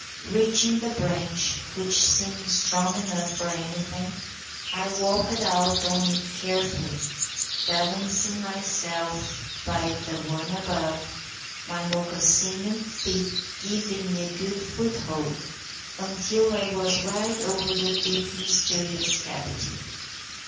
Reaching the branch, which seemed strong enough for anything, I walked out on it carefully, balancing myself by the one above, my moccasined feet giving me a good foothold, until I was right over the deep, mysterious cavity.